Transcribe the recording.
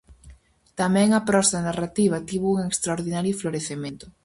Tamén a prosa narrativa tivo un extraordinario florecemento.